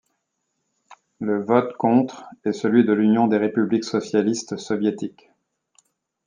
Le vote contre est celui de l'Union des républiques socialistes soviétiques.